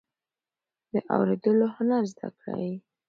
د اوریدلو هنر زده کړئ.